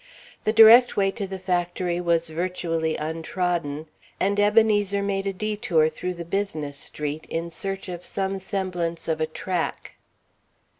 The direct way to the factory was virtually untrodden, and Ebenezer made a detour through the business street in search of some semblance of a "track."